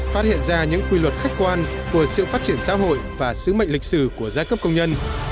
phát hiện ra những quy luật khách quan của sự phát triển xã hội và sứ mệnh lịch sử của giai cấp công nhân